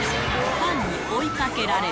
ファンに追いかけられる。